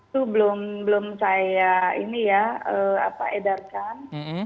itu belum saya ini ya edarkan